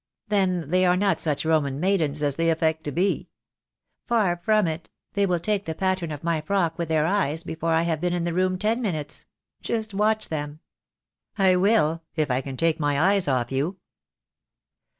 "Then they are not such Roman maidens as they affect to be." "Far from it. They will take the pattern of my frock with their eyes before I have been in the room ten minutes. Just watch them." "I will; if I can take my eyes off you."